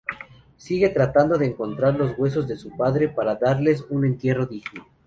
Sigue tratando de encontrar los huesos de su padre para darles un entierro digno.